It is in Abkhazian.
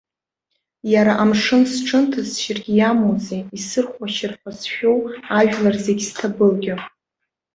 Иара амшын сҽынҭысшьыргьы иамоузеи, исырхәашьыр ҳәа сшәоу, ажәлар зегь зҭабылгьо.